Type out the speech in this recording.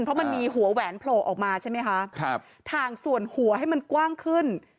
เพราะมันมีหัวแหวนโผล่ออกมาใช่ไหมคะครับทางส่วนหัวให้มันกว้างขึ้น